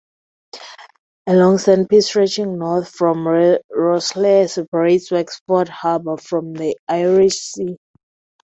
A long sandspit stretching north from Rosslare separates Wexford Harbour from the Irish Sea.